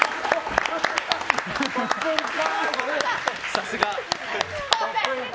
さすが。